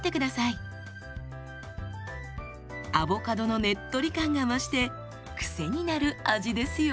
アボカドのネットリ感が増して癖になる味ですよ。